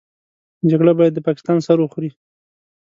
جګړه بايد د پاکستان سر وخوري.